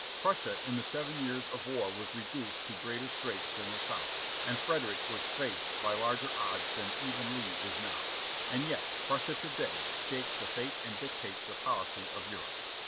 Prussia in the seven years of war was reduced to greater straits than the South, and Frederick was faced by larger odds than even Lee is now, and yet Prussia to day shapes the fate and dictates the policy of Europe.